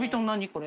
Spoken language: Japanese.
これ。